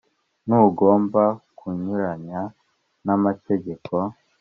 ntugomba kunyuranya n amategeko.